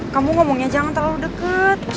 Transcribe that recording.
kamu ngomongnya jangan terlalu dekat